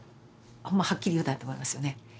もうはっきり言うたんやと思いますよね。